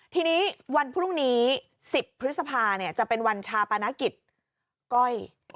ทีนี้วันพรุ่งนี้๑๐พฤษภาจะเป็นวันชาปนกิจก้อย